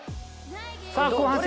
さあ後半戦。